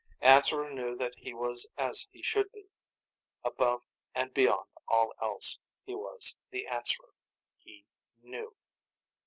Answerer knew that he was as he should be. Above and beyond all else, he was The Answerer. He Knew.